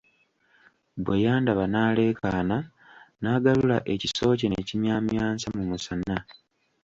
Bwe yandaba n'aleekaana, n'agalula ekiso kye ne kimyamyansa mu musana.